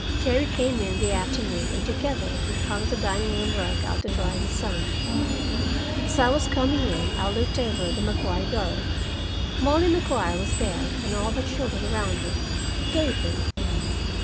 Terry came in the afternoon, and together we hung the dining room rug out to dry in the sun. As I was coming in, I looked over at the Maguire yard. Molly Maguire was there, and all her children around her, gaping.